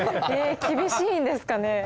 厳しいんですかね。